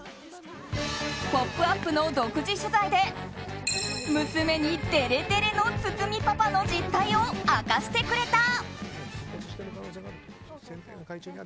「ポップＵＰ！」の独自取材で娘にデレデレの堤パパの実態を明かしてくれた。